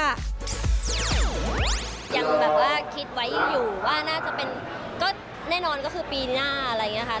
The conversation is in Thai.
ยังแบบว่าคิดไว้อยู่ว่าน่าจะเป็นก็แน่นอนก็คือปีหน้าอะไรอย่างนี้ค่ะ